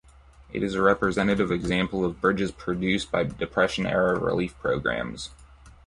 It is a representative example of bridges produced by Depression-era relief programs.